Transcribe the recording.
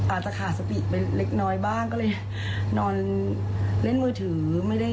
อาจจะขาดสติไปเล็กน้อยบ้างก็เลยนอนเล่นมือถือไม่ได้